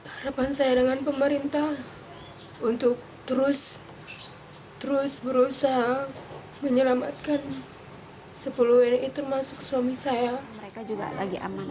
harapan saya dengan pemerintah untuk terus berusaha menyelamatkan sepuluh wni termasuk suami saya